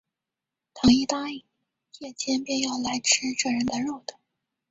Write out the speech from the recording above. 倘一答应，夜间便要来吃这人的肉的